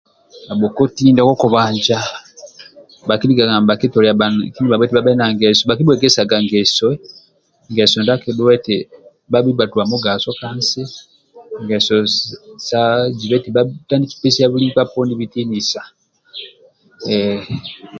Bhabhokoti ndia kokunbanja bhakilikaga nibhakibhuegesa bhaniki ndibhabho eti bhabhe na ngeso bhakibhuegesa ngesoe ngeso ndia akidhua eti bhabhi bhatua mugaso ka nsi ngeso sa ziba eti bhatandiki pesia buli nkpa poni bitinisa eeh